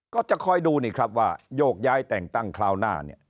ก็จะคอยดูนี่ครับว่าโยกย้ายแต่งตั้งคราวหน้าเนี่ย